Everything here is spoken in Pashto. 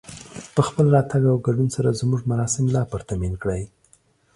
په خپل راتګ او ګډون سره زموږ مراسم لا پرتمين کړئ